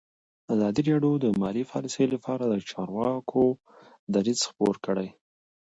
ازادي راډیو د مالي پالیسي لپاره د چارواکو دریځ خپور کړی.